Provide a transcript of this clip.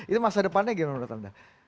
itu masa depannya gimana menurut anda